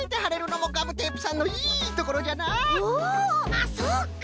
あっそうか！